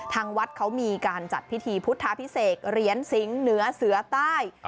ทางวัดเขามีการจัดพิธีพุทธาพิเศษเหรียญสิงห์เหนือเสือใต้